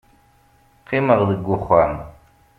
qqimeɣ deg uxxam